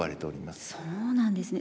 そうなんですね。